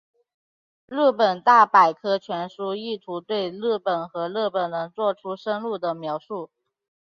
日本大百科全书意图对日本和日本人作出深入的描述。